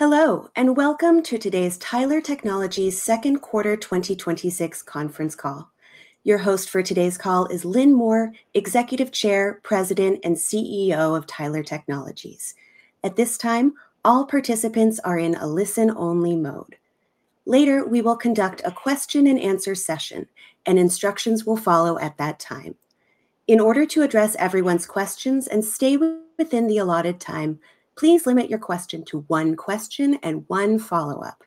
Hello, and welcome to today's Tyler Technologies second quarter 2026 conference call. Your host for today's call is Lynn Moore, Executive Chair, President, and CEO of Tyler Technologies. At this time, all participants are in a listen-only mode. Later, we will conduct a question and answer session, and instructions will follow at that time. In order to address everyone's questions and stay within the allotted time, please limit your question to one question and one follow-up.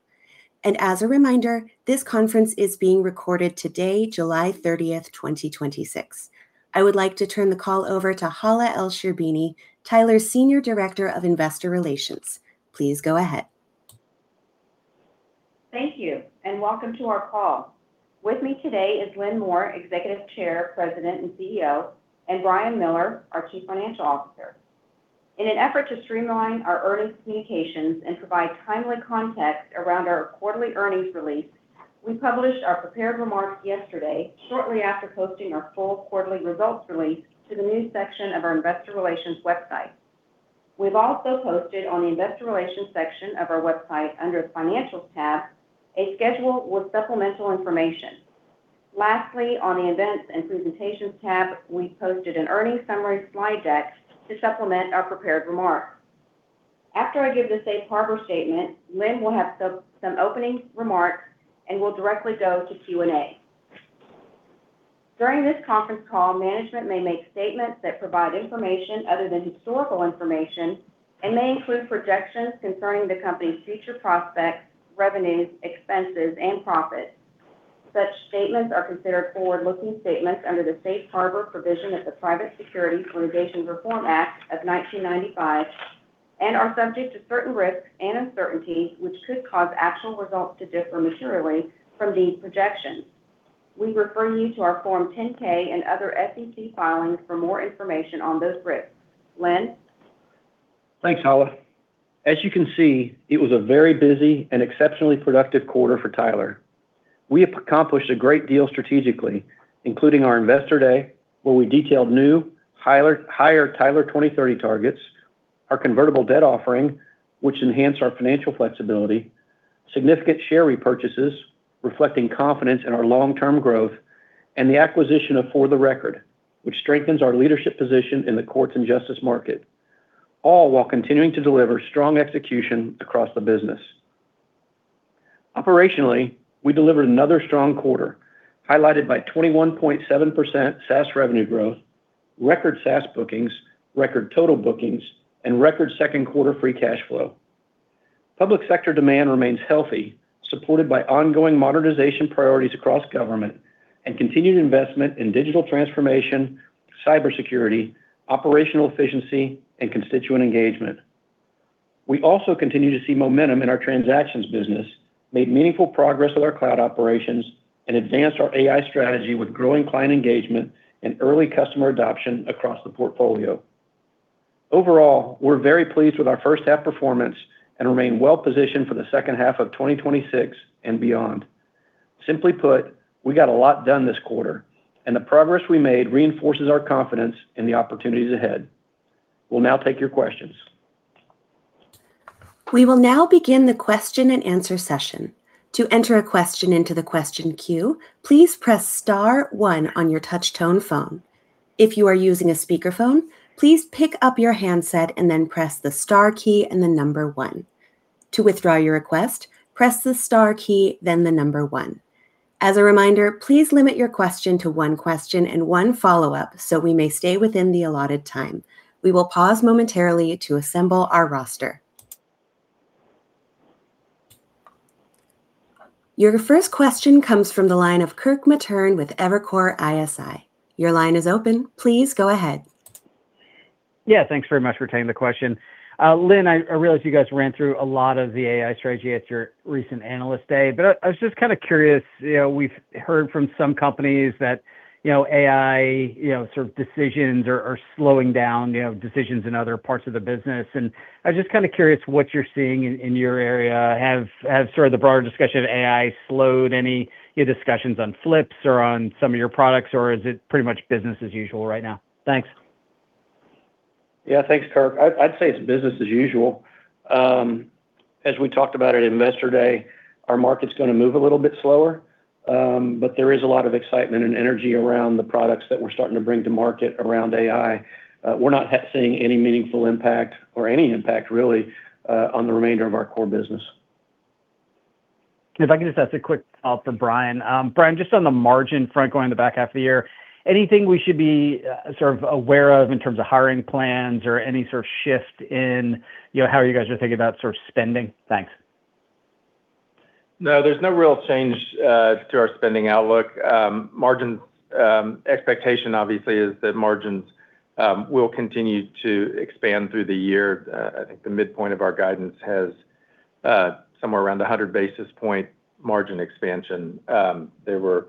As a reminder, this conference is being recorded today, July 30th, 2026. I would like to turn the call over to Hala Elsherbini, Tyler's Senior Director of Investor Relations. Please go ahead. Thank you, and welcome to our call. With me today is Lynn Moore, Executive Chair, President, and CEO, and Brian Miller, our Chief Financial Officer. In an effort to streamline our earnings communications and provide timely context around our quarterly earnings release, we published our prepared remarks yesterday shortly after posting our full quarterly results release to the news section of our investor relations website. We've also posted on the investor relations section of our website, under the Financials tab, a schedule with supplemental information. Lastly, on the Events and Presentations tab, we posted an earnings summary slide deck to supplement our prepared remarks. After I give the Safe Harbor statement, Lynn will have some opening remarks, and we'll directly go to Q&A. During this conference call, management may make statements that provide information other than historical information and may include projections concerning the company's future prospects, revenues, expenses, and profits. Such statements are considered forward-looking statements under the Safe Harbor provision of the Private Securities Litigation Reform Act of 1995 and are subject to certain risks and uncertainties which could cause actual results to differ materially from these projections. We refer you to our Form 10-K and other SEC filings for more information on those risks. Lynn? Thanks, Hala. As you can see, it was a very busy and exceptionally productive quarter for Tyler. We have accomplished a great deal strategically, including our Investor Day, where we detailed new higher Tyler 2030 targets, our convertible debt offering, which enhanced our financial flexibility, significant share repurchases, reflecting confidence in our long-term growth, and the acquisition of For The Record, which strengthens our leadership position in the Courts & Justice market. All while continuing to deliver strong execution across the business. Operationally, we delivered another strong quarter, highlighted by 21.7% SaaS revenue growth, record SaaS bookings, record total bookings, and record second quarter free cash flow. Public sector demand remains healthy, supported by ongoing modernization priorities across government and continued investment in digital transformation, cybersecurity, operational efficiency, and constituent engagement. We also continue to see momentum in our transactions business, made meaningful progress with our cloud operations, and advanced our AI strategy with growing client engagement and early customer adoption across the portfolio. Overall, we're very pleased with our first half performance and remain well-positioned for the second half of 2026 and beyond. Simply put, we got a lot done this quarter, and the progress we made reinforces our confidence in the opportunities ahead. We'll now take your questions. We will now begin the question and answer session. To enter a question into the question queue, please press star one on your touch tone phone. If you are using a speakerphone, please pick up your handset and then press the star key and the number one. To withdraw your request, press the star key, then the number one. As a reminder, please limit your question to one question and one follow-up, so we may stay within the allotted time. We will pause momentarily to assemble our roster. Your first question comes from the line of Kirk Materne with Evercore ISI. Your line is open. Please go ahead. Yeah, thanks very much for taking the question. Lynn, I realize you guys ran through a lot of the AI strategy at your recent Analyst Day, but I was just kind of curious. We've heard from some companies that AI decisions are slowing down decisions in other parts of the business, and I was just curious what you're seeing in your area. Have the broader discussion of AI slowed any discussions on flips or on some of your products, or is it pretty much business as usual right now? Thanks. Yeah, thanks, Kirk. I'd say it's business as usual. As we talked about at Investor Day, our market's going to move a little bit slower. There is a lot of excitement and energy around the products that we're starting to bring to market around AI. We're not seeing any meaningful impact or any impact, really, on the remainder of our core business. If I can just ask a quick follow-up for Brian. Brian, just on the margin front, going in the back half of the year, anything we should be aware of in terms of hiring plans or any sort of shift in how you guys are thinking about spending? Thanks. No, there's no real change to our spending outlook. Margin expectation, obviously, is that margins will continue to expand through the year. I think the midpoint of our guidance has somewhere around 100 basis point margin expansion. There were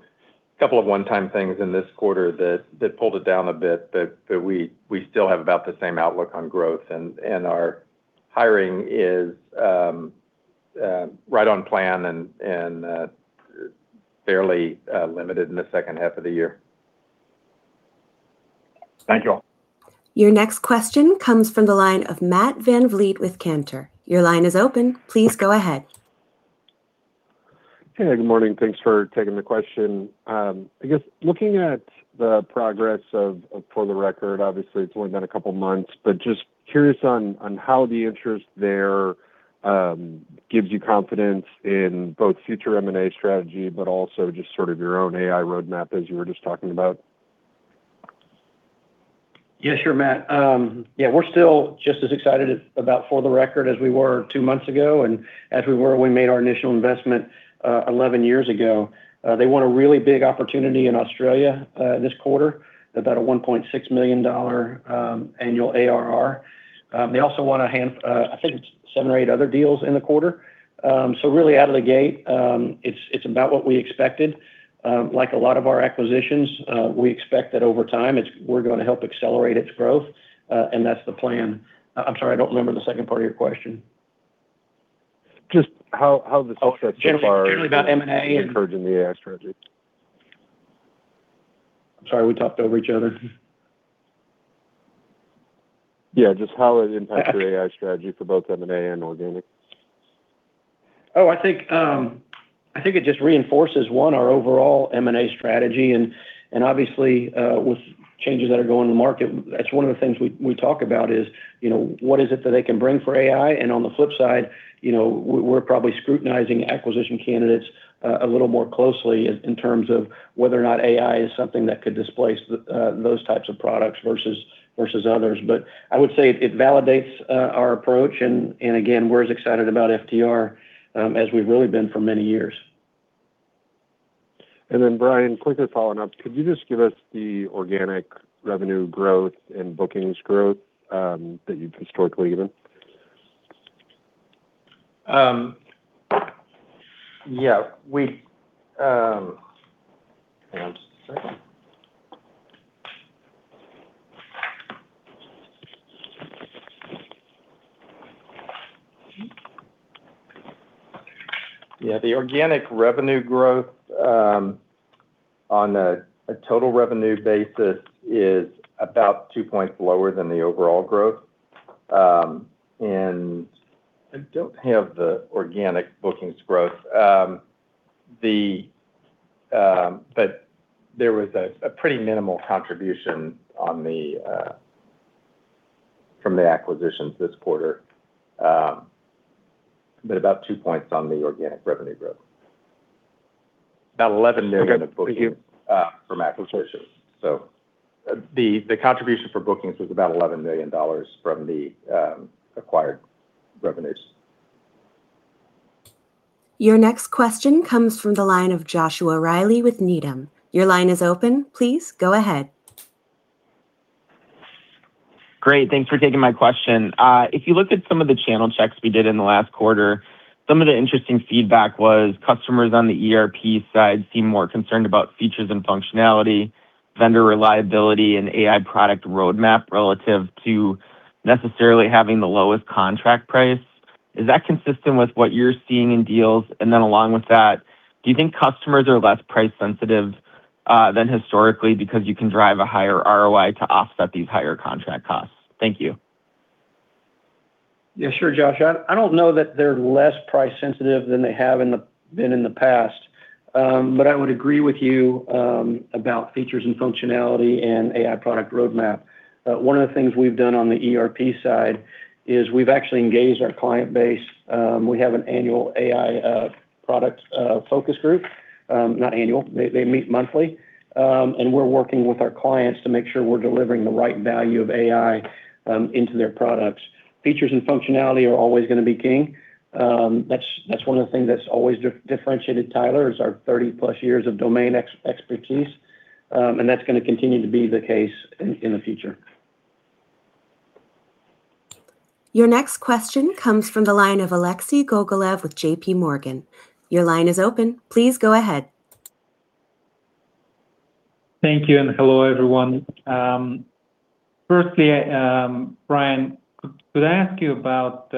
a couple of one-time things in this quarter that pulled it down a bit. We still have about the same outlook on growth, and our hiring is right on plan and fairly limited in the second half of the year. Thank you all. Your next question comes from the line of Matt VanVliet with Cantor. Your line is open. Please go ahead. Hey, good morning. Thanks for taking the question. I guess, looking at the progress of For The Record, obviously it's only been a couple of months, but just curious on how the interest there gives you confidence in both future M&A strategy, but also just sort of your own AI roadmap as you were just talking about. Yeah, sure Matt. Yeah, we're still just as excited about For The Record as we were two months ago, and as we were when we made our initial investment 11 years ago. They won a really big opportunity in Australia this quarter, about a $1.6 million annual ARR. They also won, I think it's seven or eight other deals in the quarter. Really out of the gate, it's about what we expected. Like a lot of our acquisitions, we expect that over time, we're going to help accelerate its growth. That's the plan. I'm sorry, I don't remember the second part of your question. Just how the success so far. Generally about M&A. encouraging the AI strategy. I'm sorry, we talked over each other. Yeah, just how it impacts your AI strategy for both M&A and organic? Oh, I think it just reinforces, one, our overall M&A strategy, and obviously, with changes that are going in the market, that's one of the things we talk about is, what is it that they can bring for AI? On the flip side, we're probably scrutinizing acquisition candidates a little more closely in terms of whether or not AI is something that could displace those types of products versus others. I would say it validates our approach and, again, we're as excited about FTR as we've really been for many years. Brian, quickly following up, could you just give us the organic revenue growth and bookings growth that you've historically given? Hang on just a second. The organic revenue growth on a total revenue basis is about two points lower than the overall growth. I don't have the organic bookings growth. There was a pretty minimal contribution from the acquisitions this quarter, but about two points on the organic revenue growth. About $11 million in bookings from acquisitions. The contribution for bookings was about $11 million from the acquired revenues. Your next question comes from the line of Joshua Reilly with Needham & Company. Your line is open. Please go ahead. Great, thanks for taking my question. If you look at some of the channel checks we did in the last quarter, some of the interesting feedback was customers on the ERP side seem more concerned about features and functionality, vendor reliability, and AI product roadmap relative to necessarily having the lowest contract price. Is that consistent with what you're seeing in deals? Then along with that, do you think customers are less price sensitive than historically because you can drive a higher ROI to offset these higher contract costs? Thank you. Yeah, sure Josh. I don't know that they're less price sensitive than they have been in the past. I would agree with you about features and functionality and AI product roadmap. One of the things we've done on the ERP side is we've actually engaged our client base. We have an annual AI product focus group. Not annual, they meet monthly. We're working with our clients to make sure we're delivering the right value of AI into their products. Features and functionality are always going to be king. That's one of the things that's always differentiated Tyler Technologies is our 30+ years of domain expertise. That's going to continue to be the case in the future. Your next question comes from the line of Alexei Gogolev with JPMorgan. Your line is open. Please go ahead. Thank you, and hello, everyone. Firstly, Brian, could I ask you about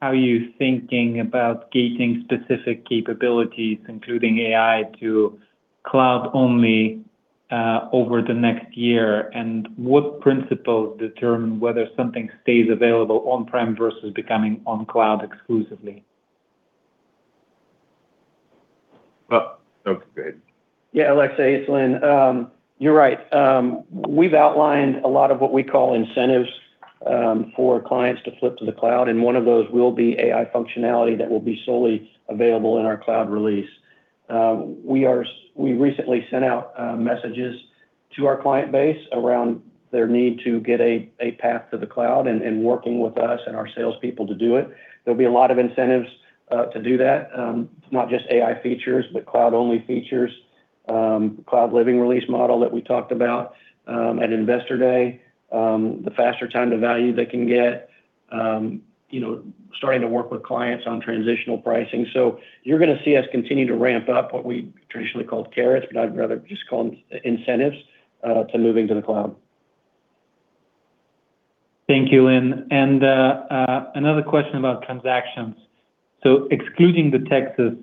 how you're thinking about gating specific capabilities, including AI to cloud only over the next year? What principles determine whether something stays available on-prem versus becoming on cloud exclusively? Oh, okay, go ahead. Yeah, Alexei, it's Lynn. You're right. We've outlined a lot of what we call incentives for clients to flip to the cloud, and one of those will be AI functionality that will be solely available in our cloud release. We recently sent out messages to our client base around their need to get a path to the cloud and working with us and our salespeople to do it. There'll be a lot of incentives to do that. Not just AI features, but cloud-only features. Cloud Living Release Model that we talked about at Investor Day. The faster time to value they can get. Starting to work with clients on transitional pricing. You're going to see us continue to ramp up what we traditionally called carrots, but I'd rather just call them incentives to moving to the cloud. Thank you, Lynn. Another question about transactions. Excluding the Texas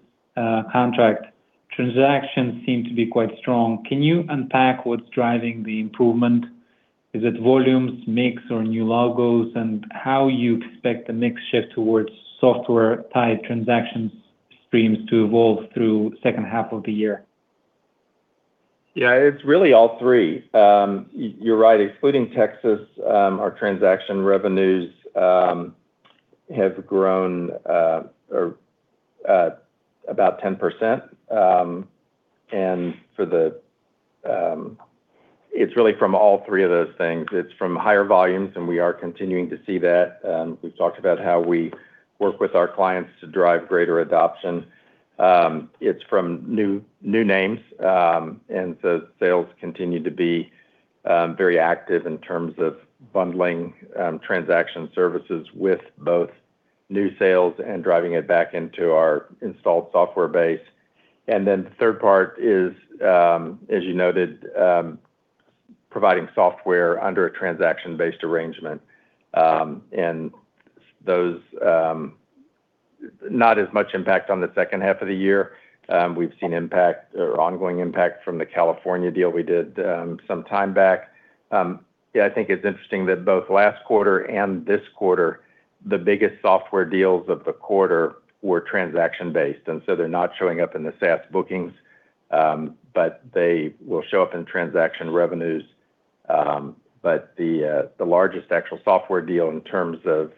contract, transactions seem to be quite strong. Can you unpack what's driving the improvement? Is it volumes, mix, or new logos, and how you expect the mix shift towards software-tied transaction streams to evolve through the second half of the year? Yeah, it's really all three. You're right. Excluding Texas, our transaction revenues have grown about 10%. It's really from all three of those things. It's from higher volumes, and we are continuing to see that. We've talked about how we work with our clients to drive greater adoption. It's from new names, and so sales continue to be very active in terms of bundling transaction services with both new sales and driving it back into our installed software base. The third part is, as you noted, providing software under a transaction-based arrangement. Those, not as much impact on the second half of the year. We've seen ongoing impact from the California deal we did some time back. I think it's interesting that both last quarter and this quarter, the biggest software deals of the quarter were transaction based, so they're not showing up in the SaaS bookings, but they will show up in transaction revenues. The largest actual software deal in terms of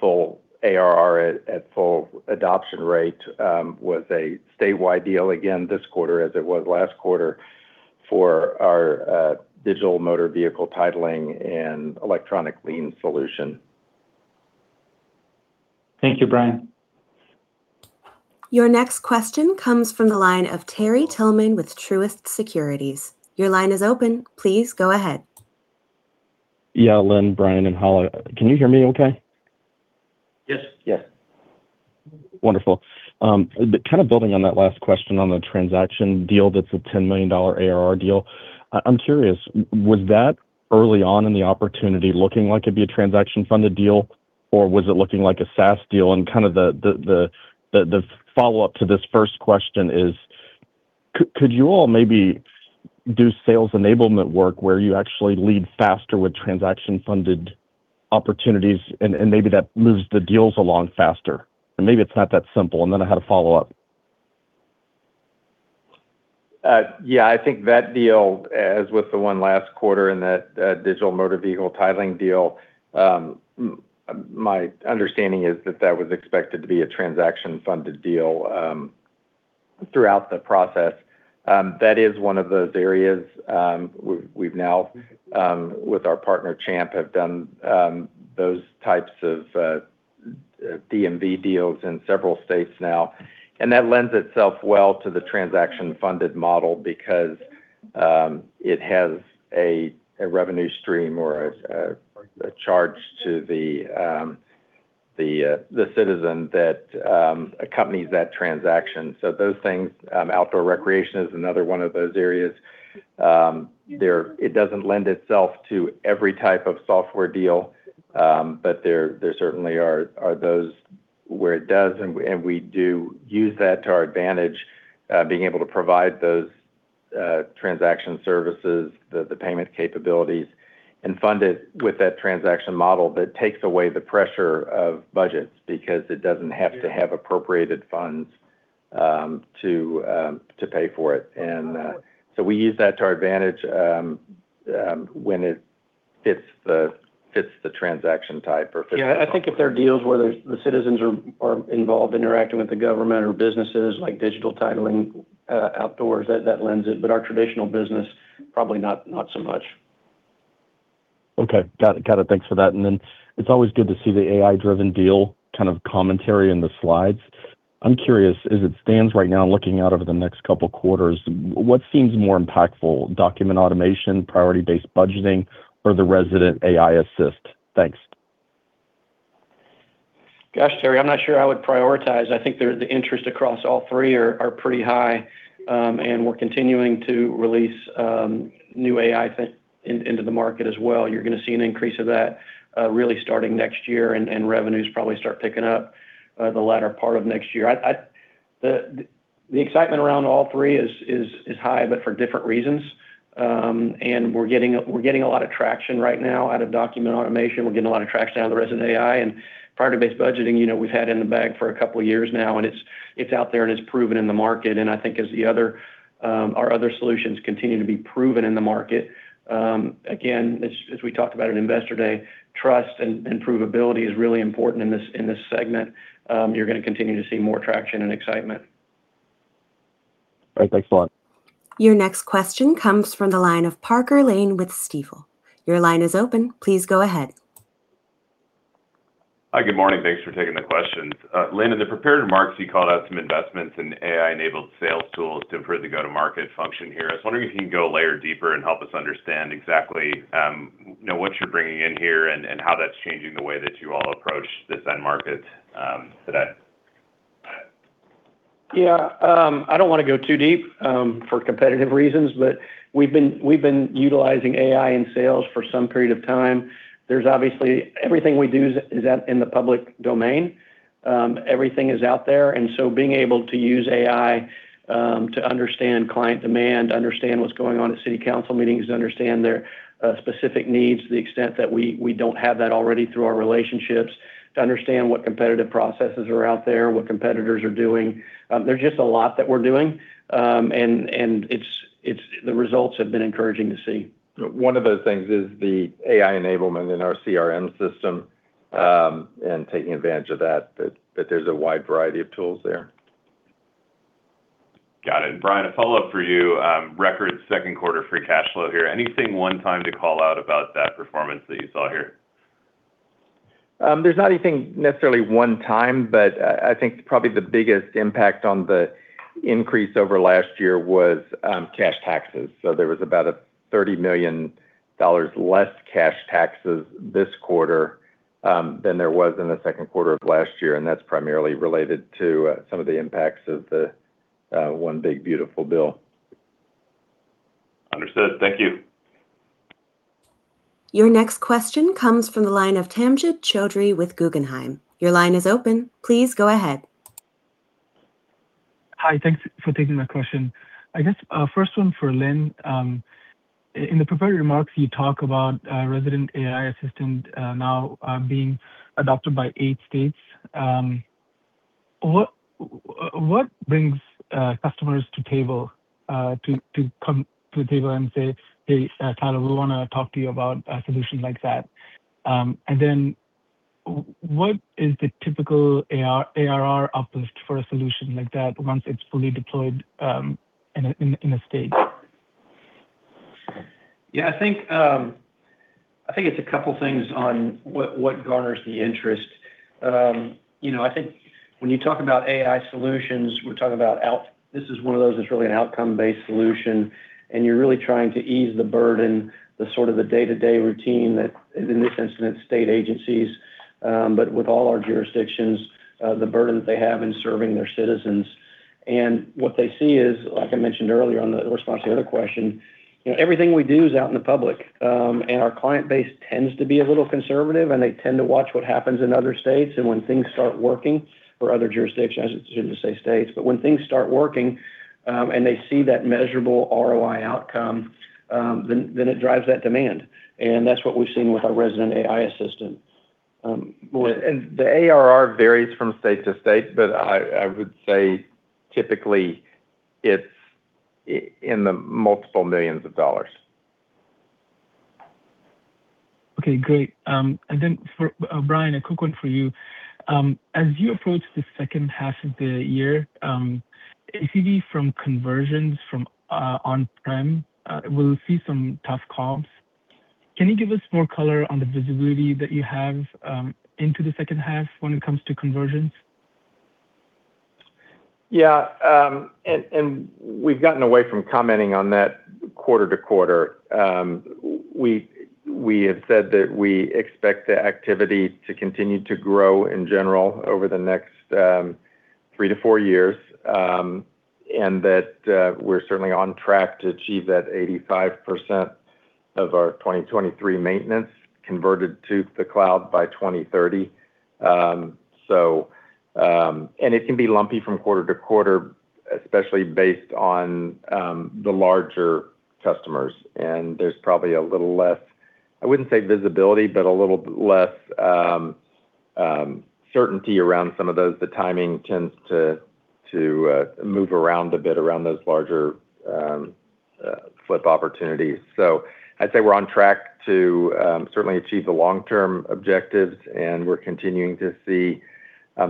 full ARR at full adoption rate, was a statewide deal again this quarter, as it was last quarter for our digital motor vehicle titling and electronic lien solution. Thank you, Brian. Your next question comes from the line of Terry Tillman with Truist Securities. Your line is open. Please go ahead. Yeah, Lynn, Brian, and Hala, can you hear me okay? Yes. Yes. Wonderful. Building on that last question on the transaction deal that is a $10 million ARR deal. I am curious, was that early on in the opportunity looking like it would be a transaction-funded deal, or was it looking like a SaaS deal? The follow-up to this first question is, could you all maybe do sales enablement work where you actually lead faster with transaction-funded opportunities, and that moves the deals along faster? Maybe it is not that simple, I had a follow-up. I think that deal, as with the one last quarter in that digital motor vehicle titling deal, my understanding is that that was expected to be a transaction-funded deal throughout the process. That is one of those areas we have now, with our partner Champ Titles, have done those types of DMV deals in several states now. That lends itself well to the transaction-funded model because it has a revenue stream or a charge to the citizen that accompanies that transaction. Those things, outdoor recreation is another one of those areas. It does not lend itself to every type of software deal. There certainly are those where it does, and we do use that to our advantage, being able to provide those transaction services, the payment capabilities, and fund it with that transaction model that takes away the pressure of budgets because it does not have to have appropriated funds to pay for it. We use that to our advantage when it fits the transaction type or fits. I think if there are deals where the citizens are involved interacting with the government or businesses, like digital titling, outdoors, that lends it. Our traditional business, probably not so much. Okay. Got it. Thanks for that. It's always good to see the AI-driven deal commentary in the slides. I'm curious, as it stands right now, looking out over the next couple of quarters, what seems more impactful, Document Automation, Priority Based Budgeting, or the Resident AI Assist? Thanks. Gosh, Terry, I'm not sure I would prioritize. I think the interest across all three are pretty high. We're continuing to release new AI into the market as well. You're going to see an increase of that really starting next year, and revenues probably start picking up the latter part of next year. The excitement around all three is high, but for different reasons. We're getting a lot of traction right now out of Document Automation. We're getting a lot of traction out of the Resident AI. Priority Based Budgeting, we've had in the bag for a couple of years now, and it's out there and it's proven in the market. I think as our other solutions continue to be proven in the market, again, as we talked about at Investor Day, trust and provability is really important in this segment. You're going to continue to see more traction and excitement. All right. Thanks a lot. Your next question comes from the line of Parker Lane with Stifel. Your line is open. Please go ahead. Hi, good morning. Thanks for taking the questions. Lynn, in the prepared remarks, you called out some investments in AI-enabled sales tools to improve the go-to-market function here. I was wondering if you can go a layer deeper and help us understand exactly what you're bringing in here and how that's changing the way that you all approach this end market today. Yeah. I don't want to go too deep for competitive reasons. We've been utilizing AI in sales for some period of time. Obviously, everything we do is out in the public domain. Everything is out there, being able to use AI to understand client demand, to understand what's going on at city council meetings, to understand their specific needs to the extent that we don't have that already through our relationships, to understand what competitive processes are out there, what competitors are doing. There's just a lot that we're doing, and the results have been encouraging to see. One of those things is the AI enablement in our CRM system, taking advantage of that there's a wide variety of tools there. Got it. Brian, a follow-up for you. Record second quarter free cash flow here. Anything one time to call out about that performance that you saw here? There's not anything necessarily one time, I think probably the biggest impact on the increase over last year was cash taxes. There was about $30 million less cash taxes this quarter than there was in the second quarter of last year, and that's primarily related to some of the impacts of the One Big Beautiful Bill. Understood. Thank you. Your next question comes from the line of Tamjid Chowdhury with Guggenheim. Your line is open. Please go ahead. Hi. Thanks for taking my question. I guess first one for Lynn. In the prepared remarks, you talk about Resident AI Assistant now being adopted by eight states. What brings customers to come to the table and say, "Hey, Tyler, we want to talk to you about a solution like that?" What is the typical ARR uplift for a solution like that once it's fully deployed in a state? I think it's a couple things on what garners the interest. I think when you talk about AI solutions, this is one of those that's really an outcome-based solution, and you're really trying to ease the burden, the day-to-day routine that, in this instance, state agencies, but with all our jurisdictions, the burden that they have in serving their citizens. What they see is, like I mentioned earlier on the response to the other question, everything we do is out in the public. Our client base tends to be a little conservative, and they tend to watch what happens in other states. When things start working for other jurisdictions, I shouldn't say states, but when things start working and they see that measurable ROI outcome, then it drives that demand. That's what we've seen with our Resident AI Assistant. The ARR varies from state to state, but I would say typically it's in the multiple millions of dollars. Okay, great. For Brian, a quick one for you. As you approach the second half of the year, ACV from conversions from on-prem will see some tough comps. Can you give us more color on the visibility that you have into the second half when it comes to conversions? Yeah. We've gotten away from commenting on that quarter-to-quarter. We have said that we expect the activity to continue to grow in general over the next three to four years, and that we're certainly on track to achieve that 85% of our 2023 maintenance converted to the cloud by 2030. It can be lumpy from quarter to quarter, especially based on the larger customers. There's probably a little less, I wouldn't say visibility, but a little less certainty around some of those. The timing tends to move around a bit around those larger flip opportunities. I'd say we're on track to certainly achieve the long-term objectives, and we're continuing to see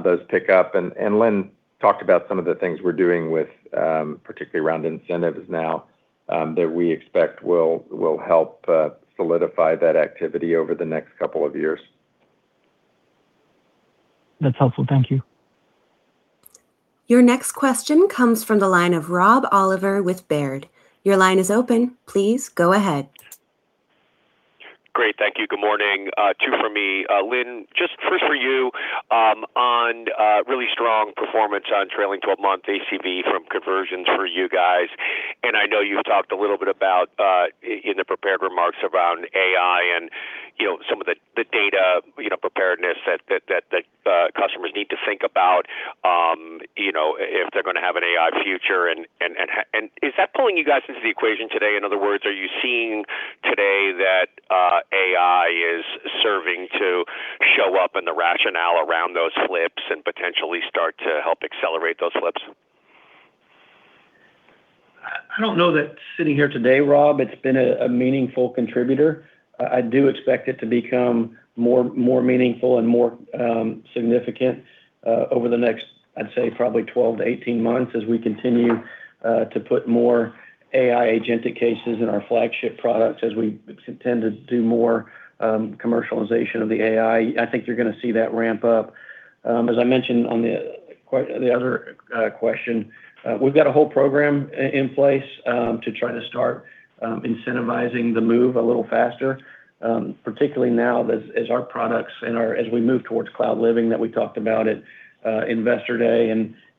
those pick up. Lynn talked about some of the things we're doing with particularly around incentives now that we expect will help solidify that activity over the next couple of years. That's helpful. Thank you. Your next question comes from the line of Rob Oliver with Baird. Your line is open. Please go ahead. Great. Thank you. Good morning. Two for me. Lynn, just first for you on really strong performance on trailing 12-month ACV from conversions for you guys. I know you talked a little bit about, in the prepared remarks around AI and some of the data preparedness that customers need to think about if they're going to have an AI future. Is that pulling you guys into the equation today? In other words, are you seeing today that AI is serving to show up in the rationale around those flips and potentially start to help accelerate those flips? I don't know that sitting here today, Rob, it's been a meaningful contributor. I do expect it to become more meaningful and more significant over the next, I'd say, probably 12-18 months as we continue to put more AI agentic cases in our flagship products as we intend to do more commercialization of the AI. I think you're going to see that ramp up. As I mentioned on the other question, we've got a whole program in place to try to start incentivizing the move a little faster, particularly now as our products and as we move towards Cloud Living that we talked about at Investor Day.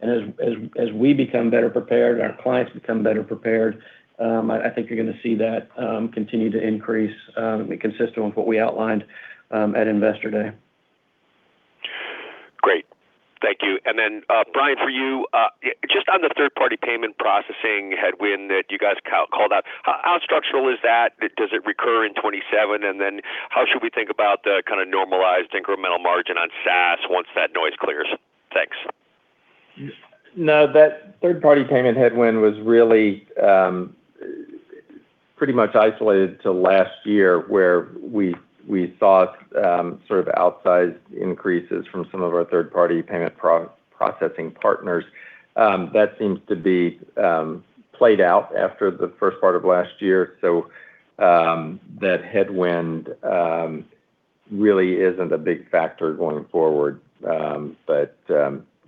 As we become better prepared, our clients become better prepared. I think you're going to see that continue to increase consistent with what we outlined at Investor Day. Great. Thank you. Brian, for you, just on the third-party payment processing headwind that you guys called out, how structural is that? Does it recur in 2027? How should we think about the kind of normalized incremental margin on SaaS once that noise clears? Thanks. No, that third-party payment headwind was really pretty much isolated to last year, where we saw sort of outsized increases from some of our third-party payment processing partners. That seems to be played out after the first part of last year. That headwind really isn't a big factor going forward.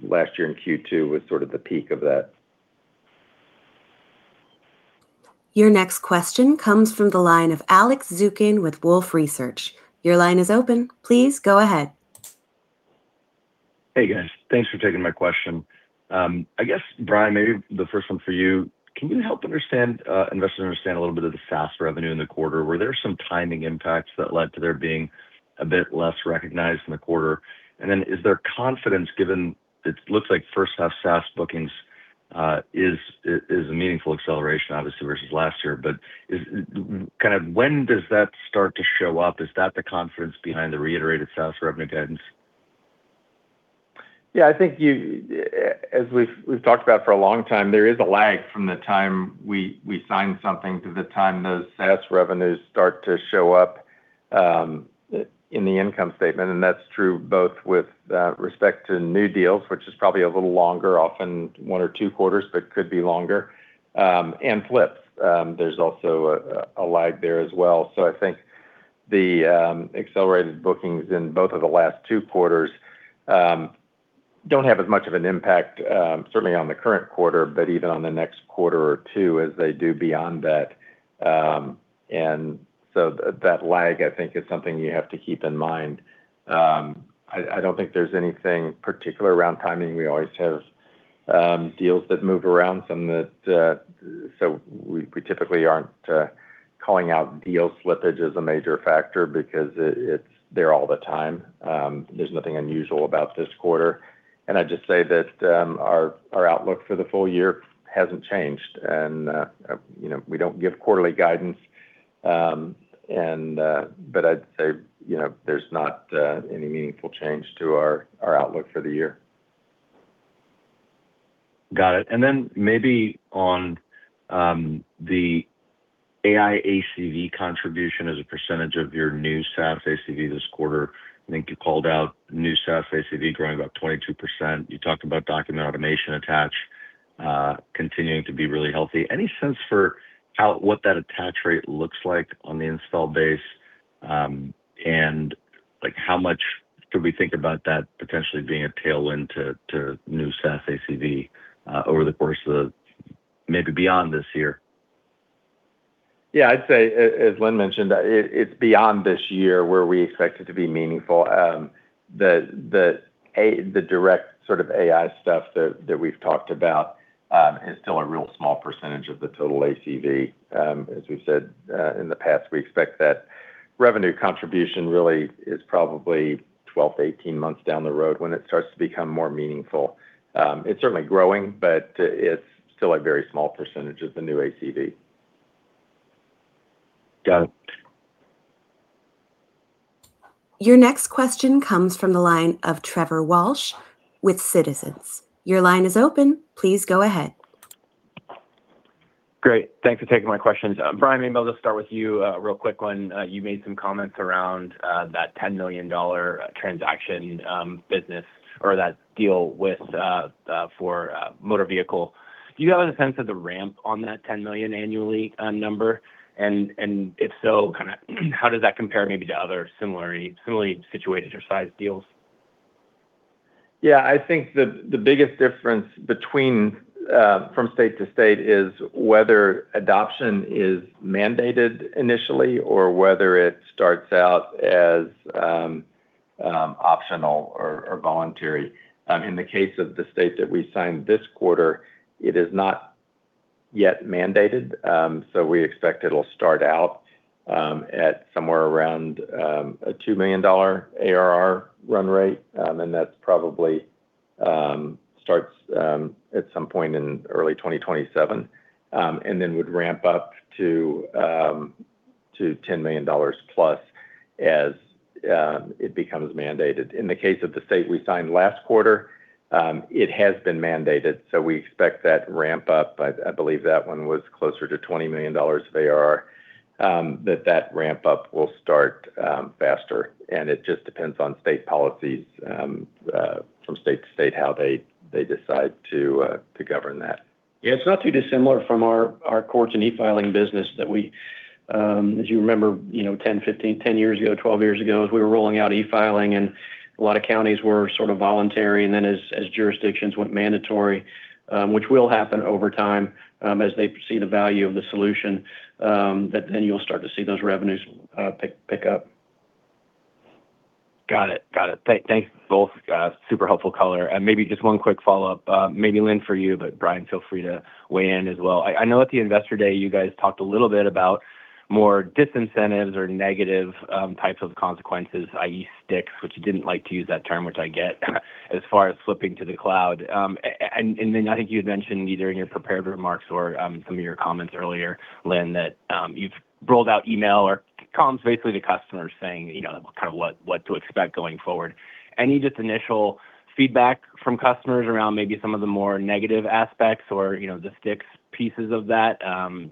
Last year in Q2 was sort of the peak of that. Your next question comes from the line of Alex Zukin with Wolfe Research. Your line is open. Please go ahead. Hey, guys. Thanks for taking my question. I guess, Brian, maybe the first one for you. Can you help investors understand a little bit of the SaaS revenue in the quarter? Were there some timing impacts that led to there being a bit less recognized in the quarter? Is there confidence given it looks like first half SaaS bookings is a meaningful acceleration, obviously, versus last year, but when does that start to show up? Is that the confidence behind the reiterated SaaS revenue guidance? Yeah, I think as we've talked about for a long time, there is a lag from the time we sign something to the time those SaaS revenues start to show up in the income statement, and that's true both with respect to new deals, which is probably a little longer, often one or two quarters, but could be longer. Flips, there's also a lag there as well. I think the accelerated bookings in both of the last two quarters don't have as much of an impact, certainly on the current quarter, but even on the next quarter or two as they do beyond that. That lag, I think, is something you have to keep in mind. I don't think there's anything particular around timing. We always have deals that move around. We typically aren't calling out deal slippage as a major factor because it's there all the time. There's nothing unusual about this quarter. I'd just say that our outlook for the full year hasn't changed. We don't give quarterly guidance, but I'd say there's not any meaningful change to our outlook for the year. Got it. Maybe on the AI ACV contribution as a percentage of your new SaaS ACV this quarter. I think you called out new SaaS ACV growing about 22%. You talked about Document Automation attach continuing to be really healthy. Any sense for what that attach rate looks like on the install base? How much could we think about that potentially being a tailwind to new SaaS ACV over the course of maybe beyond this year? I'd say, as Lynn mentioned, it's beyond this year where we expect it to be meaningful. The direct sort of AI stuff that we've talked about is still a real small percentage of the total ACV. As we've said in the past, we expect that revenue contribution really is probably 12-18 months down the road when it starts to become more meaningful. It's certainly growing, it's still a very small percentage of the new ACV. Got it. Your next question comes from the line of Trevor Walsh with Citizens. Your line is open. Please go ahead. Great. Thanks for taking my questions. Brian, maybe I'll just start with you, a real quick one. You made some comments around that $10 million transaction business or that deal for motor vehicle. Do you have a sense of the ramp on that $10 million annually number? If so, how does that compare maybe to other similarly situated or sized deals? I think the biggest difference from state to state is whether adoption is mandated initially or whether it starts out as optional or voluntary. In the case of the states that we signed this quarter, it is not yet mandated. We expect it'll start out at somewhere around a $2 million ARR run rate, that probably starts at some point in early 2027, then would ramp up to $10 million plus as it becomes mandated. In the case of the state we signed last quarter, it has been mandated, we expect that ramp up. I believe that one was closer to $20 million ARR. That ramp up will start faster, it just depends on state policies from state to state, how they decide to govern that. It's not too dissimilar from our courts and e-filing business. You remember 10, 15, 10 years ago, 12 years ago, as we were rolling out e-filing, a lot of counties were sort of voluntary, then as jurisdictions went mandatory, which will happen over time as they foresee the value of the solution, you'll start to see those revenues pick up. Got it. Thanks, both. Super helpful color. Maybe just one quick follow-up, maybe Lynn for you, Brian feel free to weigh in as well. I know at the Investor Day, you guys talked a little about more disincentives or negative types of consequences, i.e. sticks, which you didn't like to use that term, which I get, as far as flipping to the cloud. I think you had mentioned either in your prepared remarks or in some of your comments earlier, Lynn, that you've rolled out email or comms basically to customers saying, kind of what to expect going forward. Any just initial feedback from customers around maybe some of the more negative aspects or the sticks pieces of that?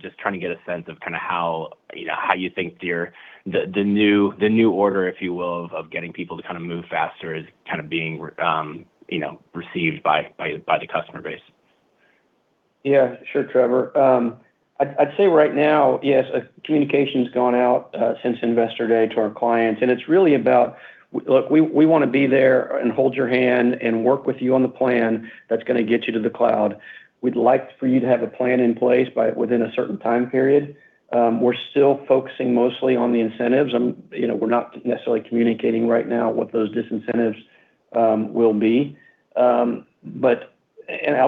Just trying to get a sense of how you think the new order, if you will, of getting people to move faster is being received by the customer base. Sure, Trevor. I'd say right now, yes, communication's gone out since Investor Day to our clients, and it's really about, look, we want to be there and hold your hand and work with you on the plan that's going to get you to the cloud. We'd like for you to have a plan in place within a certain time period. We're still focusing mostly on the incentives. We're not necessarily communicating right now what those disincentives will be. I'll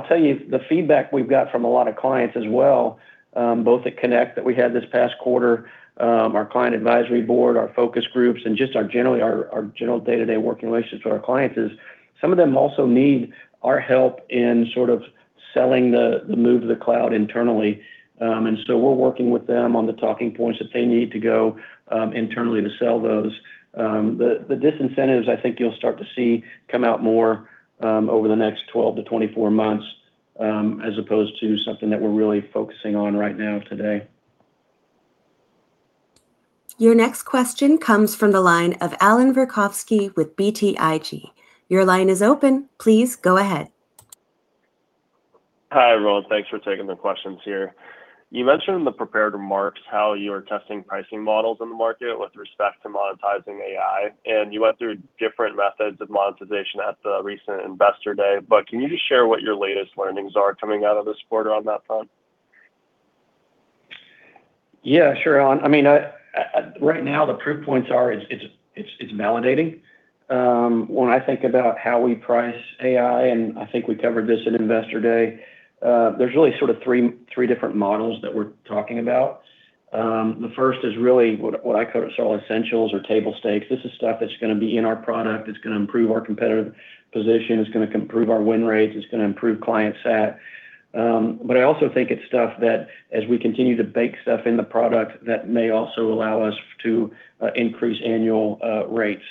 tell you, the feedback we've got from a lot of clients as well, both at Connect that we had this past quarter, our client advisory board, our focus groups, and just our general day-to-day working relations with our clients is some of them also need our help in sort of selling the move to the cloud internally. We're working with them on the talking points that they need to go internally to sell those. The disincentives, I think you'll start to see come out more over the next 12-24 months, as opposed to something that we're really focusing on right now today. Your next question comes from the line of Allan Verkhovski with BTIG. Your line is open. Please go ahead. Hi, everyone. Thanks for taking the questions here. You mentioned in the prepared remarks how you're testing pricing models in the market with respect to monetizing AI, and you went through different methods of monetization at the recent Investor Day, but can you just share what your latest learnings are coming out of this quarter on that front? Yeah, sure, Allan. Right now the proof points are, it is validating. When I think about how we price AI, and I think we covered this at Investor Day, there is really sort of three different models that we are talking about. The first is really what I call essentials or table stakes. This is stuff that is going to be in our product, it is going to improve our competitive position, it is going to improve our win rates, it is going to improve client sat. I also think it is stuff that as we continue to bake stuff in the product, that may also allow us to increase annual rates.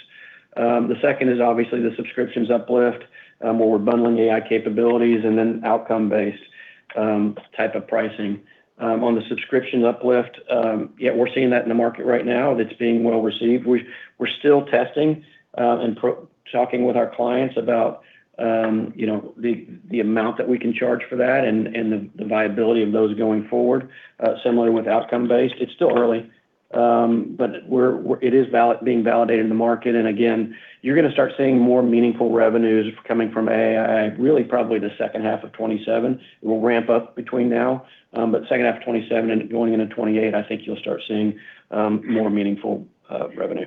The second is obviously the subscriptions uplift, where we are bundling AI capabilities, and then outcome-based type of pricing. On the subscription uplift, yeah, we are seeing that in the market right now. That is being well received. We are still testing and talking with our clients about the amount that we can charge for that and the viability of those going forward. Similar with outcome based. It is still early. It is being validated in the market, and again, you are going to start seeing more meaningful revenues coming from AI, really probably the second half of 2027. It will ramp up between now, second half of 2027 into going into 2028, I think you will start seeing more meaningful revenue.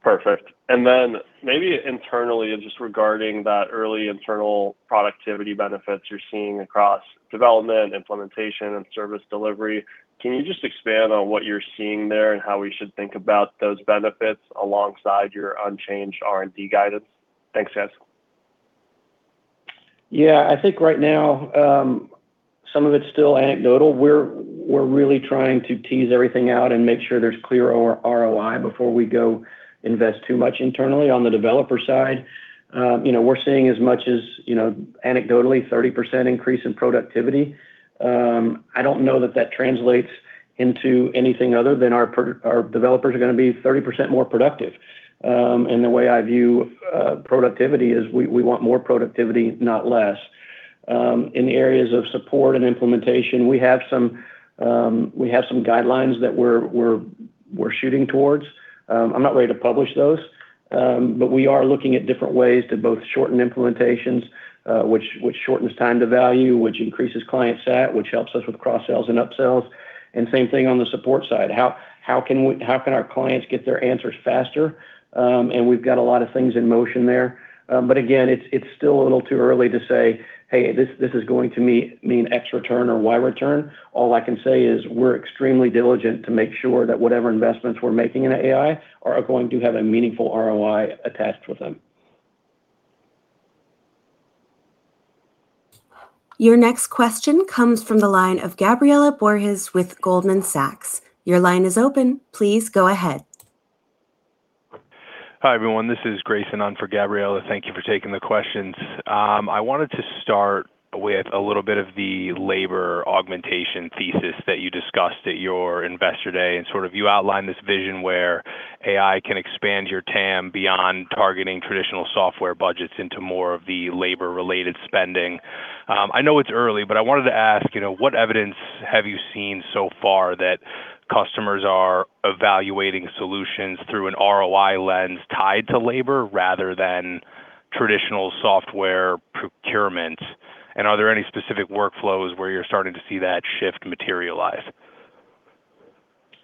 Perfect. Then maybe internally, just regarding that early internal productivity benefits you are seeing across development, implementation, and service delivery, can you just expand on what you are seeing there and how we should think about those benefits alongside your unchanged R&D guidance? Thanks, guys. Yeah, I think right now, some of it is still anecdotal. We are really trying to tease everything out and make sure there is clear ROI before we go invest too much internally on the developer side. We are seeing as much as anecdotally 30% increase in productivity. I do not know that that translates into anything other than our developers are going to be 30% more productive. The way I view productivity is we want more productivity, not less. In the areas of support and implementation, we have some guidelines that we are shooting towards. I am not ready to publish those. We are looking at different ways to both shorten implementations, which shortens time to value, which increases client sat, which helps us with cross-sells and up-sells. Same thing on the support side. How can our clients get their answers faster? We have got a lot of things in motion there. Again, it's still a little too early to say, "Hey, this is going to mean X return or Y return." All I can say is we're extremely diligent to make sure that whatever investments we're making into AI are going to have a meaningful ROI attached with them. Your next question comes from the line of Gabriela Borges with Goldman Sachs. Your line is open. Please go ahead. Hi, everyone. This is Grayson on for Gabriela. Thank you for taking the questions. I wanted to start with a little bit of the labor augmentation thesis that you discussed at your Investor Day. Sort of you outlined this vision where AI can expand your TAM beyond targeting traditional software budgets into more of the labor-related spending. I know it's early, but I wanted to ask, what evidence have you seen so far that customers are evaluating solutions through an ROI lens tied to labor rather than traditional software procurement? Are there any specific workflows where you're starting to see that shift materialize?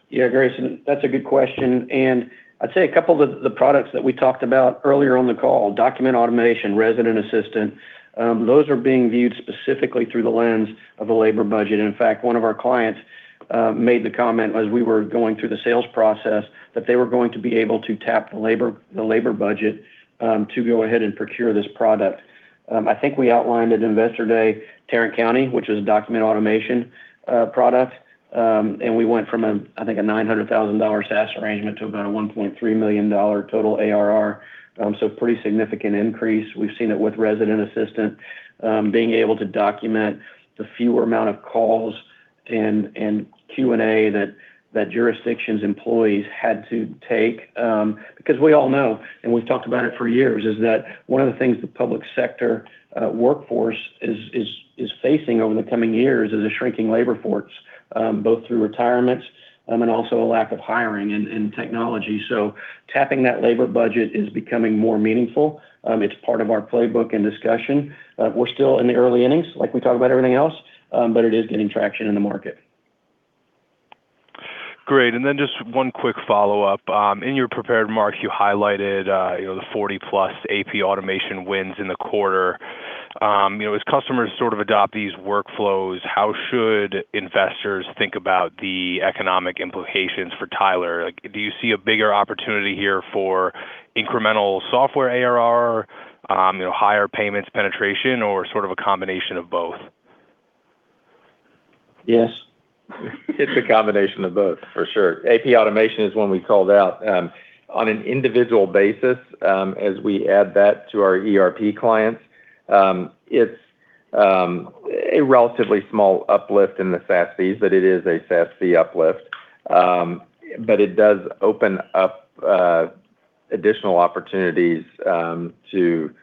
Yeah, Grayson, that's a good question. I'd say a couple of the products that we talked about earlier on the call, Document Automation, Resident Assistant, those are being viewed specifically through the lens of the labor budget. In fact, one of our clients made the comment as we were going through the sales process, that they were going to be able to tap the labor budget to go ahead and procure this product. I think we outlined at Investor Day, Tarrant County, which is a Document Automation product, and we went from, I think, a $900,000 SaaS arrangement to about a $1.3 million total ARR. Pretty significant increase. We've seen it with Resident Assistant, being able to document the fewer amount of calls and Q&A that jurisdictions employees had to take. We all know, and we've talked about it for years, is that one of the things the public sector workforce is facing over the coming years is a shrinking labor force, both through retirements and also a lack of hiring and technology. Tapping that labor budget is becoming more meaningful. It's part of our playbook and discussion. We're still in the early innings, like we talk about everything else, but it is getting traction in the market. Great. Just one quick follow-up. In your prepared remarks, you highlighted the 40+ AP Automation wins in the quarter. As customers adopt these workflows, how should investors think about the economic implications for Tyler? Do you see a bigger opportunity here for incremental software ARR, higher payments penetration, or a combination of both? Yes. It's a combination of both, for sure. AP Automation is one we called out. On an individual basis, as we add that to our ERP clients, it's a relatively small uplift in the SaaS fees, but it is a SaaS fee uplift. It does open up additional opportunities to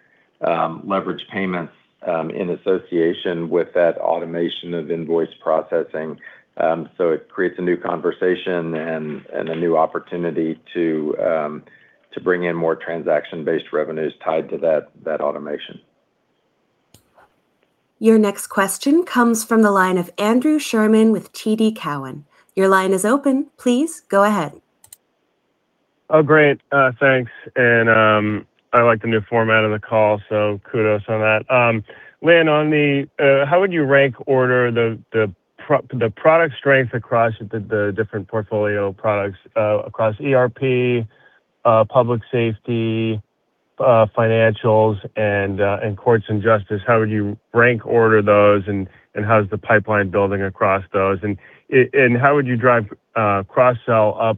leverage payments in association with that automation of invoice processing. It creates a new conversation and a new opportunity to bring in more transaction-based revenues tied to that automation. Your next question comes from the line of Andrew Sherman with TD Cowen. Your line is open. Please go ahead. Great. Thanks. I like the new format of the call, so kudos on that. Lynn, how would you rank order the product strength across the different portfolio products across ERP, Public Safety, financials, and Courts & Justice? How would you rank order those, and how is the pipeline building across those? How would you drive cross-sell up?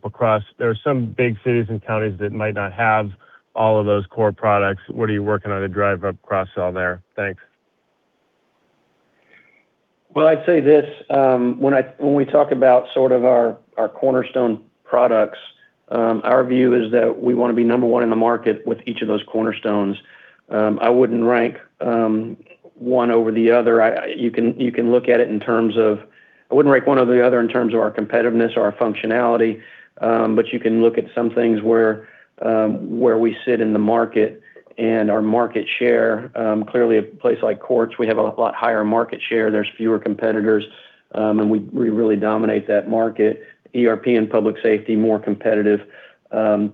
There are some big cities and counties that might not have all of those core products. What are you working on to drive up cross-sell there? Thanks. Well, I would say this. When we talk about our cornerstone products, our view is that we want to be number one in the market with each of those cornerstones. I wouldn't rank one over the other. You can look at it in terms of our competitiveness or our functionality, but you can look at some things where we sit in the market and our market share. Clearly, a place like courts, we have a lot higher market share. There are fewer competitors, and we really dominate that market. ERP and Public Safety, more competitive markets,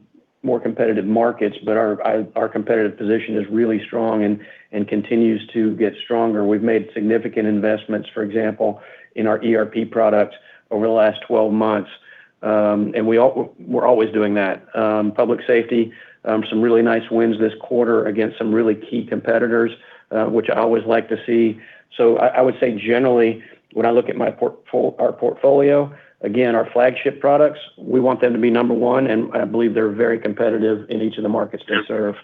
but our competitive position is really strong and continues to get stronger. We have made significant investments, for example, in our ERP products over the last 12 months. We are always doing that. Public Safety, some really nice wins this quarter against some really key competitors, which I always like to see. I would say generally, when I look at our portfolio, again, our flagship products, we want them to be number one, and I believe they are very competitive in each of the markets they serve.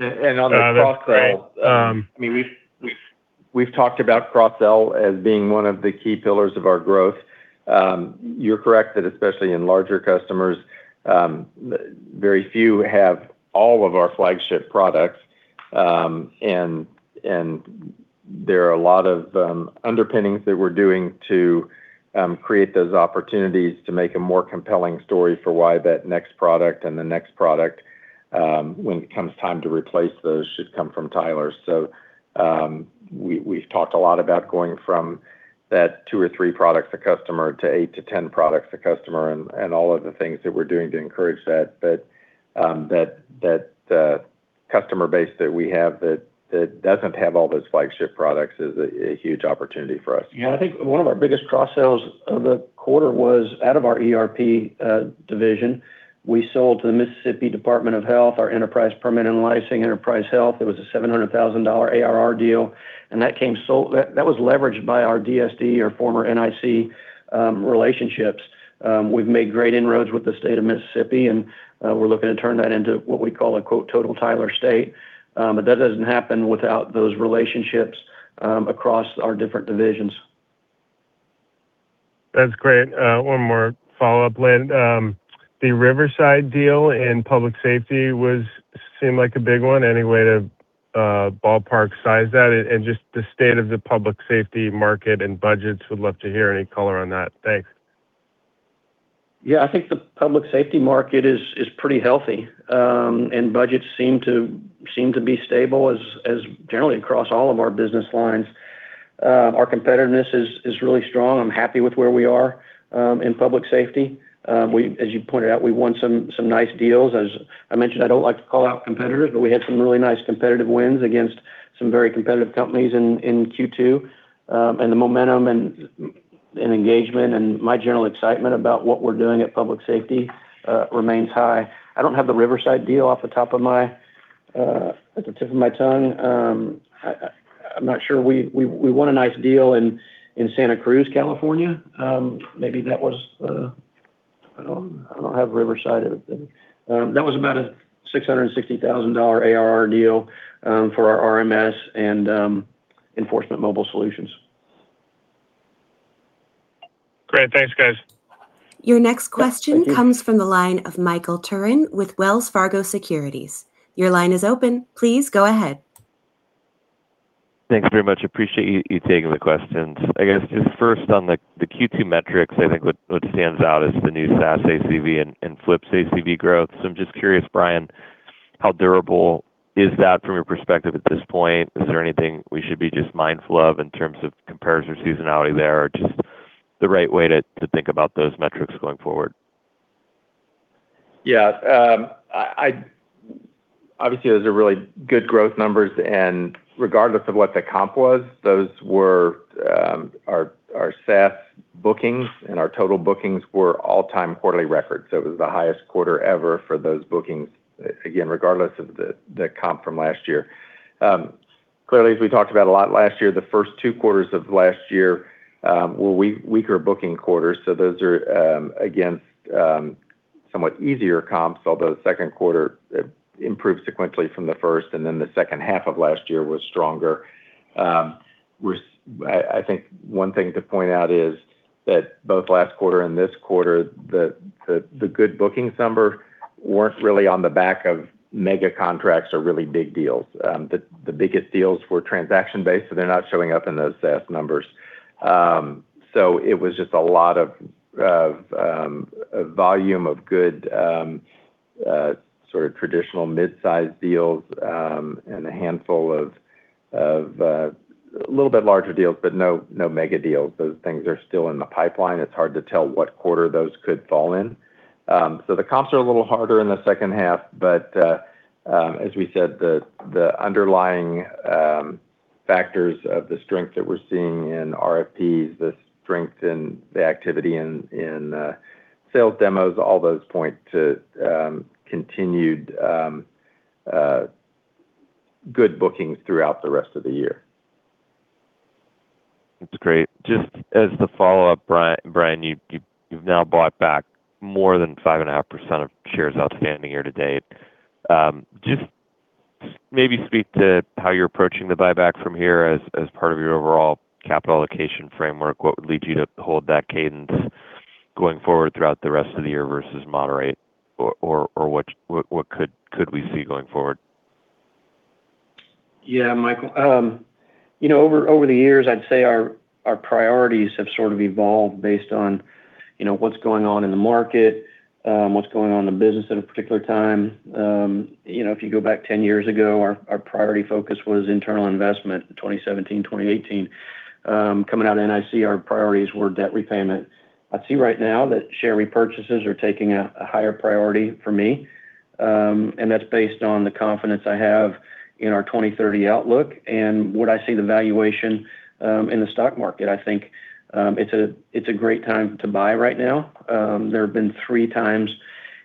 On the cross-sell, we have talked about cross-sell as being one of the key pillars of our growth. You are correct that especially in larger customers, very few have all of our flagship products. There are a lot of underpinnings that we are doing to create those opportunities to make a more compelling story for why that next product and the next product, when it comes time to replace those, should come from Tyler. We have talked a lot about going from that two or three products a customer to eight to 10 products a customer, and all of the things that we are doing to encourage that. That customer base that we have that does not have all those flagship products is a huge opportunity for us. Yeah, I think one of our biggest cross-sells of the quarter was out of our ERP division. We sold to the Mississippi State Department of Health, our Enterprise Permitting & Licensing, Enterprise Environmental Health. It was a $700,000 ARR deal. That was leveraged by our DSD or former NIC relationships. We've made great inroads with the state of Mississippi, and we're looking to turn that into what we call a, quote, "total Tyler state." That doesn't happen without those relationships across our different divisions. That's great. One more follow-up, Lynn. The Riverside deal in Public Safety seemed like a big one. Any way to ballpark size that and just the state of the Public Safety market and budgets, would love to hear any color on that. Thanks. Yeah, I think the Public Safety market is pretty healthy, and budgets seem to be stable as generally across all of our business lines. Our competitiveness is really strong. I'm happy with where we are in Public Safety. As you pointed out, we won some nice deals. As I mentioned, I don't like to call out competitors, but we had some really nice competitive wins against some very competitive companies in Q2. The momentum and engagement and my general excitement about what we're doing at Public Safety remains high. I don't have the Riverside deal off at the tip of my tongue. I'm not sure. We won a nice deal in Santa Cruz, California. I don't have Riverside. That was about a $660,000 ARR deal for our RMS and Enforcement Mobile Solutions. Great. Thanks, guys. Your next question comes from the line of Michael Turrin with Wells Fargo Securities. Your line is open. Please go ahead. Thanks very much. Appreciate you taking the questions. I guess just first on the Q2 metrics, I think what stands out is the new SaaS ACV and Flips ACV growth. I'm just curious, Brian, how durable is that from your perspective at this point? Is there anything we should be just mindful of in terms of comparison seasonality there, or just the right way to think about those metrics going forward? Yeah. Obviously, those are really good growth numbers, regardless of what the comp was, those were our SaaS bookings, and our total bookings were all-time quarterly records. It was the highest quarter ever for those bookings, again, regardless of the comp from last year. Clearly, as we talked about a lot last year, the first two quarters of last year were weaker booking quarters. Those are against somewhat easier comps, although the second quarter improved sequentially from the first, the second half of last year was stronger. I think one thing to point out is that both last quarter and this quarter, the good bookings numbers weren't really on the back of mega contracts or really big deals. The biggest deals were transaction-based, so they're not showing up in those SaaS numbers. It was just a lot of volume of good sort of traditional mid-size deals, and a handful of a little bit larger deals, no mega deals. Those things are still in the pipeline. It's hard to tell what quarter those could fall in. The comps are a little harder in the second half, as we said, the underlying factors of the strength that we're seeing in RFPs, the strength in the activity in sales demos, all those point to continued good bookings throughout the rest of the year. That's great. Just as the follow-up, Brian, you've now bought back more than 5.5% of shares outstanding year-to-date. Just maybe speak to how you're approaching the buyback from here as part of your overall capital allocation framework. What would lead you to hold that cadence going forward throughout the rest of the year versus moderate, or what could we see going forward? Yeah, Michael. Over the years, I'd say our priorities have sort of evolved based on what's going on in the market, what's going on in the business at a particular time. If you go back 10 years ago, our priority focus was internal investment, 2017, 2018. Coming out of NIC, our priorities were debt repayment. I'd say right now that share repurchases are taking a higher priority for me, and that's based on the confidence I have in our 2030 outlook and what I see the valuation in the stock market. I think it's a great time to buy right now. There have been three times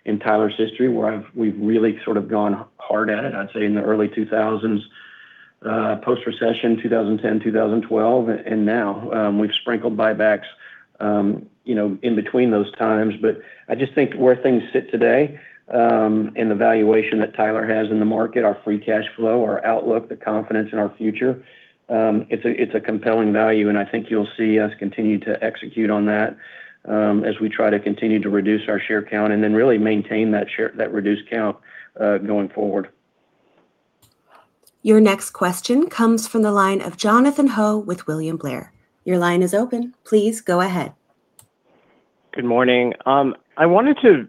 in Tyler's history where we've really sort of gone hard at it. I'd say in the early 2000s, post-recession, 2010, 2012, and now. We've sprinkled buybacks in between those times. I just think where things sit today and the valuation that Tyler has in the market, our free cash flow, our outlook, the confidence in our future, it's a compelling value, and I think you'll see us continue to execute on that as we try to continue to reduce our share count and then really maintain that reduced count going forward. Your next question comes from the line of Jonathan Ho with William Blair. Your line is open. Please go ahead. Good morning. I wanted to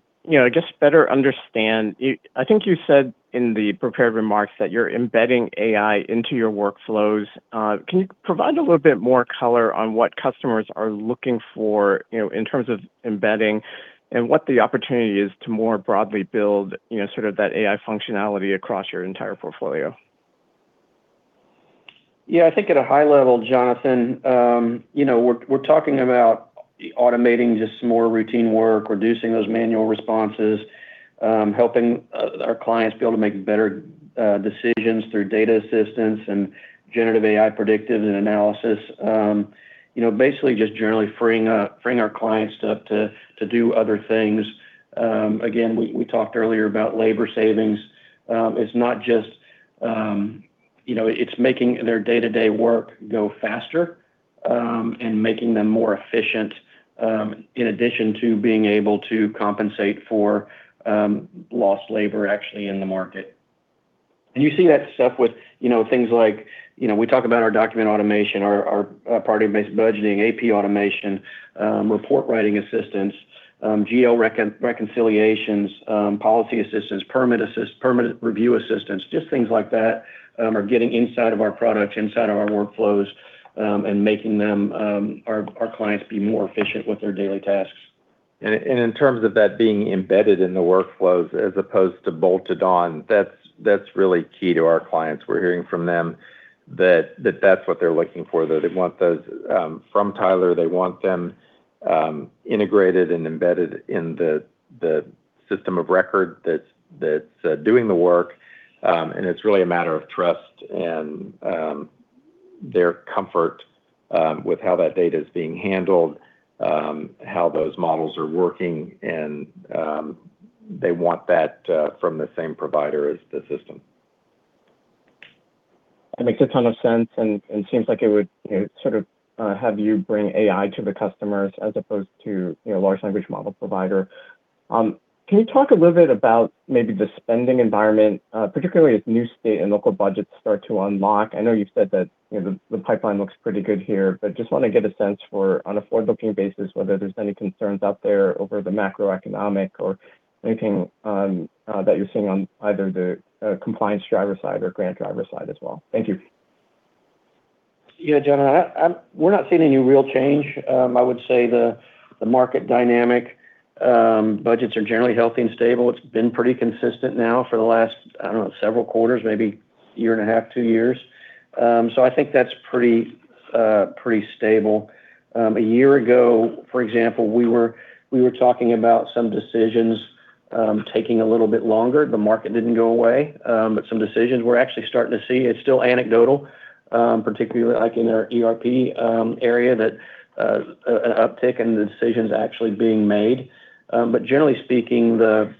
just better understand. I think you said in the prepared remarks that you're embedding AI into your workflows. Can you provide a little bit more color on what customers are looking for in terms of embedding and what the opportunity is to more broadly build sort of that AI functionality across your entire portfolio? Yeah, I think at a high level, Jonathan, we're talking about automating just some more routine work, reducing those manual responses, helping our clients be able to make better decisions through data assistance and generative AI predictive and analysis. Basically just generally freeing our clients up to do other things. Again, we talked earlier about labor savings. It's making their day-to-day work go faster, and making them more efficient, in addition to being able to compensate for lost labor actually in the market. You see that stuff with things like, we talk about our Document Automation, our Priority Based Budgeting, AP Automation, report writing assistance, GL reconciliations, policy assistance, permit review assistance. Just things like that are getting inside of our products, inside of our workflows, and making our clients be more efficient with their daily tasks. In terms of that being embedded in the workflows as opposed to bolted on, that's really key to our clients. We're hearing from them that that's what they're looking for. From Tyler, they want them integrated and embedded in the system of record that's doing the work, and it's really a matter of trust and their comfort with how that data is being handled, how those models are working, and they want that from the same provider as the system. That makes a ton of sense and seems like it would have you bring AI to the customers as opposed to a large language model provider. Can you talk a little bit about maybe the spending environment, particularly as new state and local budgets start to unlock? I know you've said that the pipeline looks pretty good here, but just want to get a sense for, on a forward-looking basis, whether there's any concerns out there over the macroeconomic or anything that you're seeing on either the compliance driver side or grant driver side as well. Thank you. Yeah, Jonathan. We're not seeing any real change. I would say the market dynamic budgets are generally healthy and stable. It's been pretty consistent now for the last, I don't know, several quarters, maybe a year and a half, two years. I think that's pretty stable. A year ago, for example, we were talking about some decisions taking a little bit longer. The market didn't go away, but some decisions we're actually starting to see. It's still anecdotal, particularly in our ERP area, an uptick in the decisions actually being made. Generally speaking, the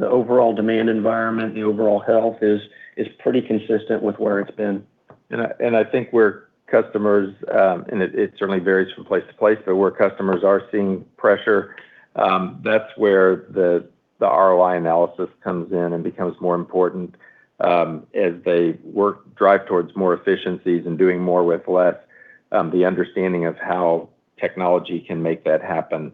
overall demand environment, the overall health is pretty consistent with where it's been. I think where customers, and it certainly varies from place to place, but where customers are seeing pressure, that's where the ROI analysis comes in and becomes more important. As they drive towards more efficiencies and doing more with less, the understanding of how technology can make that happen.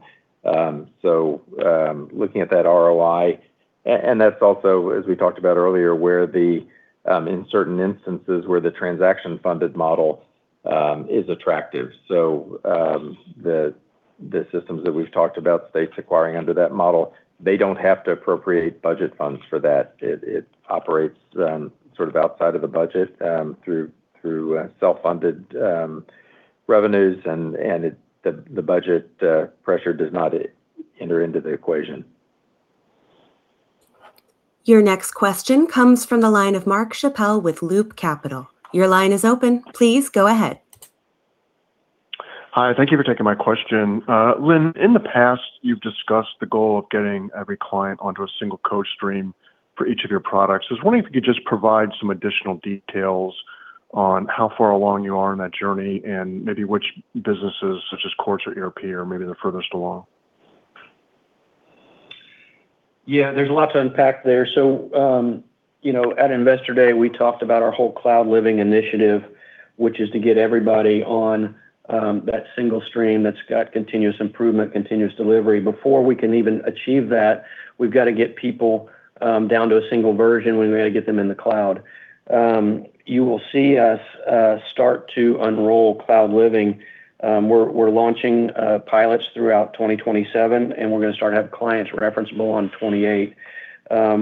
Looking at that ROI, and that's also, as we talked about earlier, in certain instances, where the transaction-funded model is attractive. The systems that we've talked about states acquiring under that model, they don't have to appropriate budget funds for that. It operates outside of the budget through self-funded revenues, and the budget pressure does not enter into the equation. Your next question comes from the line of Mark Schappel with Loop Capital Markets. Your line is open. Please go ahead. Hi, thank you for taking my question. Lynn, in the past, you've discussed the goal of getting every client onto a single code stream for each of your products. I was wondering if you could just provide some additional details on how far along you are in that journey and maybe which businesses, such as Courts or ERP, are maybe the furthest along. Yeah, there's a lot to unpack there. At Investor Day, we talked about our whole Cloud Living initiative, which is to get everybody on that single stream that's got continuous improvement, continuous delivery. Before we can even achieve that, we've got to get people down to a single version, and we've got to get them in the cloud. You will see us start to unroll Cloud Living. We're launching pilots throughout 2027, and we're going to start to have clients referenceable on 2028.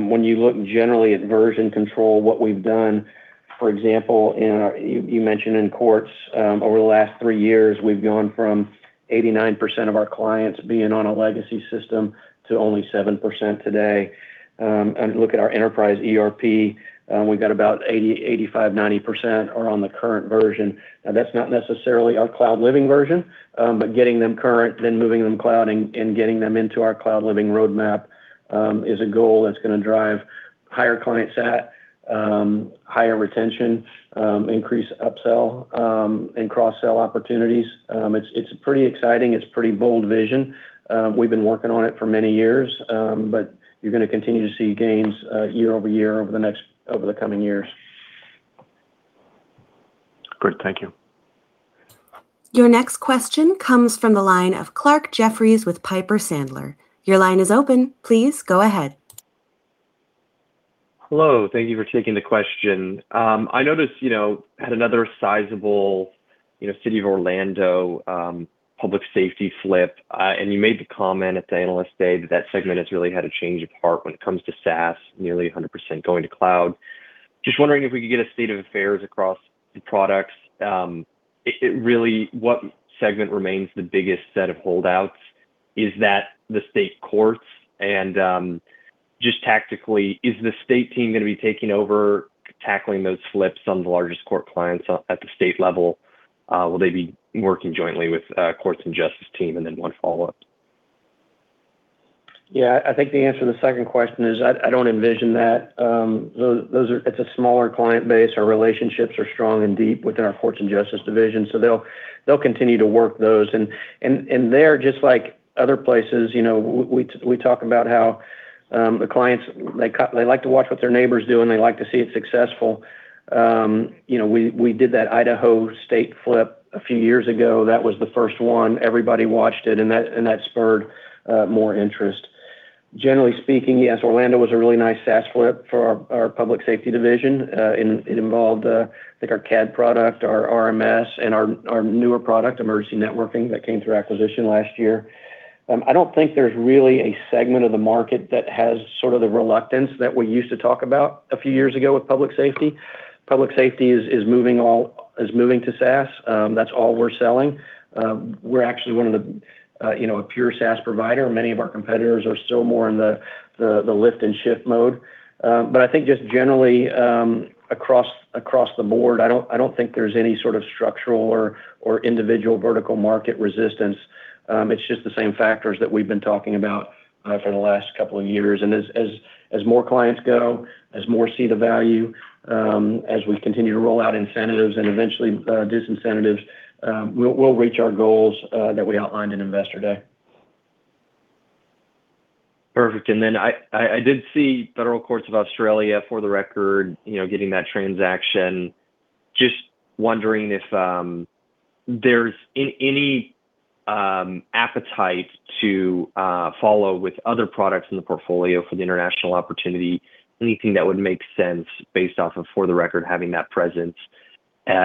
When you look generally at version control, what we've done, for example, you mentioned in Courts, over the last three years, we've gone from 89% of our clients being on a legacy system to only 7% today. Look at our Enterprise ERP, we've got about 80%, 85%, 90% are on the current version. Now, that's not necessarily our Cloud Living version. Getting them current, then moving them cloud, and getting them into our Cloud Living roadmap is a goal that's going to drive higher client sat, higher retention, increase upsell, and cross-sell opportunities. It's pretty exciting. It's a pretty bold vision. We've been working on it for many years. You're going to continue to see gains year-over-year over the coming years. Great. Thank you. Your next question comes from the line of Clarke Jeffries with Piper Sandler. Your line is open. Please go ahead. Hello. Thank you for taking the question. I noticed, had another sizable City of Orlando Public Safety flip. You made the comment at the Analyst Day that that segment has really had a change of heart when it comes to SaaS, nearly 100% going to cloud. Just wondering if we could get a state of affairs across the products. What segment remains the biggest set of holdouts? Is that the state courts? Just tactically, is the state team going to be taking over tackling those flips on the largest Court clients at the state level? Will they be working jointly with Courts & Justice team? Then one follow-up. I think the answer to the second question is I don't envision that. It's a smaller client base. Our relationships are strong and deep within our Courts & Justice Division, they'll continue to work those. There, just like other places, we talk about how the clients, they like to watch what their neighbors do, and they like to see it successful. We did that Idaho State flip a few years ago. That was the first one. Everybody watched it, that spurred more interest. Generally speaking, yes, Orlando was a really nice SaaS flip for our Public Safety Division. It involved our CAD product, our RMS, and our newer product, Emergency Networking, that came through acquisition last year. I don't think there's really a segment of the market that has the reluctance that we used to talk about a few years ago with Public Safety. Public Safety is moving to SaaS. That's all we're selling. We're actually a pure SaaS provider. Many of our competitors are still more in the lift and shift mode. I think just generally, across the board, I don't think there's any sort of structural or individual vertical market resistance. It's just the same factors that we've been talking about for the last couple of years. As more clients go, as more see the value, as we continue to roll out incentives and eventually disincentives, we'll reach our goals that we outlined in Investor Day. Perfect. I did see Federal Courts of Australia, For The Record, getting that transaction. Just wondering if there's any appetite to follow with other products in the portfolio for the international opportunity, anything that would make sense based off of For The Record having that presence.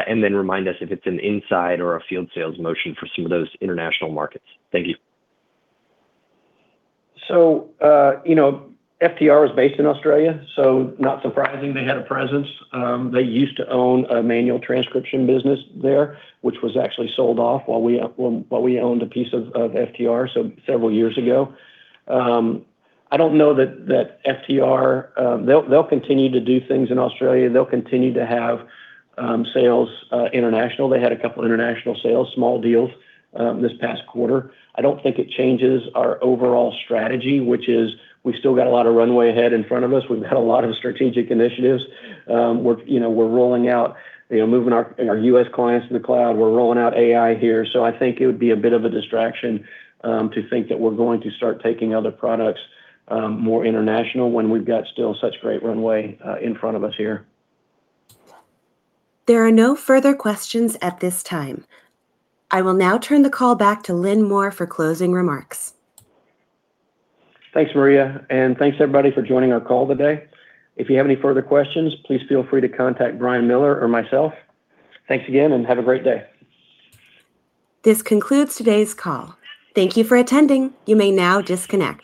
Remind us if it's an inside or a field sales motion for some of those international markets. Thank you. FTR is based in Australia, so not surprising they had a presence. They used to own a manual transcription business there, which was actually sold off while we owned a piece of FTR, so several years ago. They'll continue to do things in Australia. They'll continue to have sales international. They had a couple international sales, small deals, this past quarter. I don't think it changes our overall strategy, which is we've still got a lot of runway ahead in front of us. We've got a lot of strategic initiatives. We're rolling out, moving our U.S. clients to the cloud. We're rolling out AI here. I think it would be a bit of a distraction to think that we're going to start taking other products more international when we've got still such great runway in front of us here. There are no further questions at this time. I will now turn the call back to Lynn Moore for closing remarks. Thanks, Maria. Thanks everybody for joining our call today. If you have any further questions, please feel free to contact Brian Miller or myself. Thanks again and have a great day. This concludes today's call. Thank you for attending. You may now disconnect.